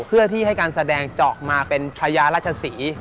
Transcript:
เพื่อที่ให้การแสดงเจาะมาเป็นพญาราชศรี